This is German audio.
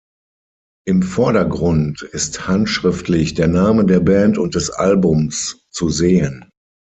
Im Vordergrund ist handschriftlich der Name der Band und des Albums zu sehen.